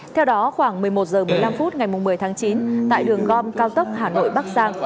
theo đó khoảng một mươi một h bốn mươi năm phút ngày một mươi tháng chín tại đường gom cao tốc hà nội bắc giang